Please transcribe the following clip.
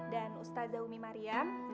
dan ustazah umi mariam